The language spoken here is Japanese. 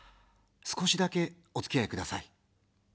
少しだけ、おつきあいください。